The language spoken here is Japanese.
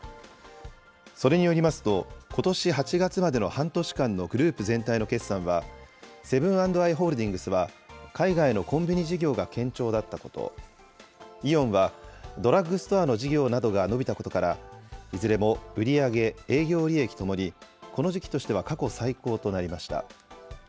それによりますと、ことし８月までの半年間のグループ全体の決算は、セブン＆アイ・ホールディングスは海外のコンビニ事業が堅調だったこと、イオンは、ドラッグストアの事業などが伸びたことから、いずれも売り上げ、営業利益ともに、この時期としては過去最高となりました。